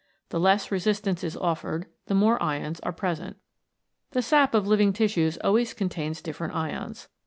The less resistance is offered the more ions are present. The sap of living tissues always contains different ions.